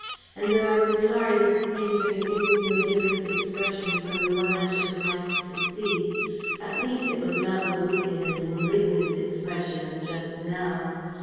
And, though I was sorry that the painter had given you a different expression from the one I should have liked to see, at least it was not the wicked and malignant expression of just now.